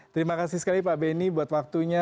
terima kasih sekali pak beni buat waktunya